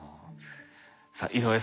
さあ井上さん